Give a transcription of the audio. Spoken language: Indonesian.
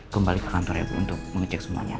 kembali ke kantor ya bu untuk mengecek semuanya